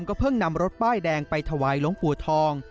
ก็เพิ่งนำรถป้ายแดงไปถวายหลวงปู่ทอง